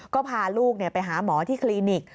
ก็พาลูกไปหาหมอที่คลินิก